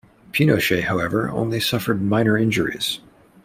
Pinochet, however, only suffered minor injuries.